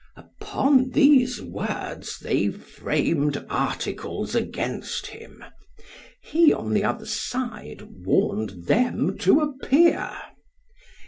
Upon these words they framed articles against him: he on the other side warned them to appear.